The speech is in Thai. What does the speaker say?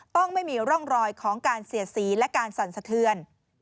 ต้องไม่มีร่องรอยของการเสียดสีและการสั่นสะเทือน